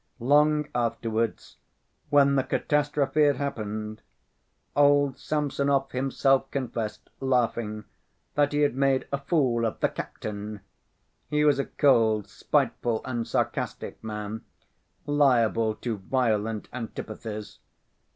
Long afterwards, when the catastrophe had happened, old Samsonov himself confessed, laughing, that he had made a fool of the "captain." He was a cold, spiteful and sarcastic man, liable to violent antipathies.